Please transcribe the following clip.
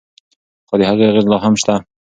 خو د هغې اغیزې لا هم شته.